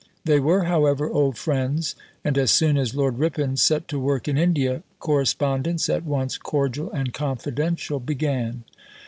They were, however, old friends; and as soon as Lord Ripon set to work in India, correspondence, at once cordial and confidential, began.